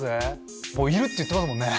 「いる」って言ってますもんね。